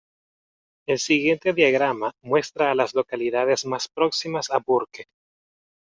El siguiente diagrama muestra a las localidades más próximas a Burke.